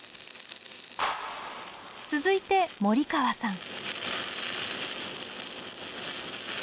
続いて森川さん